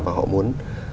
và họ muốn